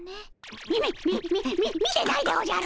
みみっみみみ見てないでおじゃる。